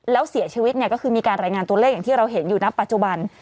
แล้วเสียชีวิตเนี่ยก็คือมีการรายงานตัวเลขอย่างที่เราเห็นอยู่ณปัจจุบัน